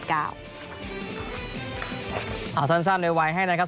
เอาสั้นเลยไว้ให้นะครับ